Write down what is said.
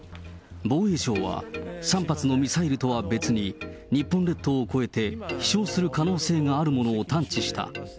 防衛省は、３発のミサイルとは別に、日本列島を越えて飛しょうする可能性があるものを探知した。